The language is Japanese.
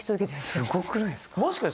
すごくないですか。